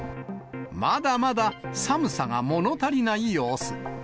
まだまだ寒さがもの足りない様子。